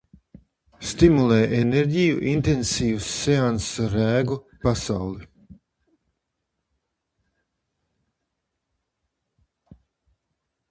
Stimulē enerģiju. Intensīvs seanss ar rēgu pasauli.